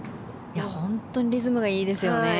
本当にリズムがいいですよね。